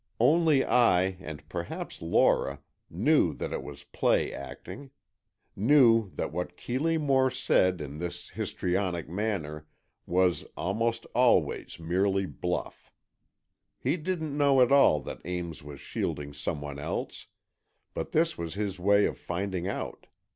Only I, and perhaps Lora, knew that it was play acting. Knew that what Keeley Moore said in this histrionic manner was, almost always, merely bluff. He didn't know at all that Ames was shielding some one else, but this was his way of finding out.